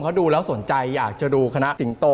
เขาดูแล้วสนใจอยากจะดูคณะสิงโต